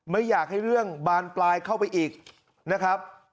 ไม่อยากให้เรื่องบานปลายเข้าไปอีกนะครับ